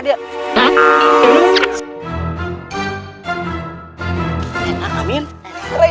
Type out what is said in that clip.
ini enak amin